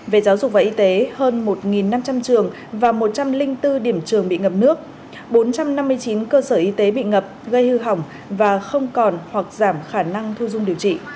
về giáo dục và y tế hơn một năm trăm linh trường và một trăm linh bốn điểm trường bị ngập nước bốn trăm năm mươi chín cơ sở y tế bị ngập gây hư hỏng và không còn hoặc giảm khả năng thu dung điều trị